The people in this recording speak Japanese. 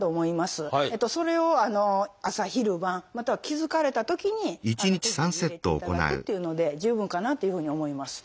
それを朝昼晩または気付かれたときに適宜入れていただくっていうので十分かなというふうに思います。